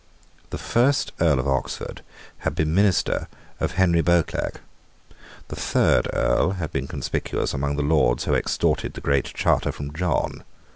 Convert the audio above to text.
The first Earl of Oxford had been minister of Henry Beauclerc. The third Earl had been conspicuous among the Lords who extorted the Great Charter from John.